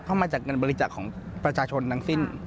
เข้ามาจากการบริจักษ์ของประชาชนทั้งสิ้น